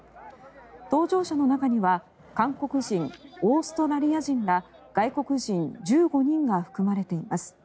搭乗者の中には韓国人、オーストラリア人ら外国人１５人が含まれています。